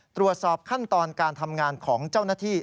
ตรวจสอบขั้นตอนการทำงานของเจ้าหน้าที่